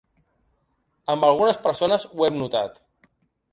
Amb algunes persones ho hem notat.